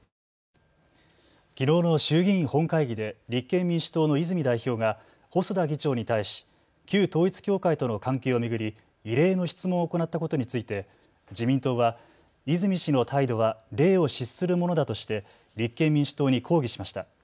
きのうの衆議院本会議で立憲民主党の泉代表が細田議長に対し旧統一教会との関係を巡り異例の質問を行ったことについて自民党は泉氏の態度は礼を失するものだとして立憲民主党に抗議しました。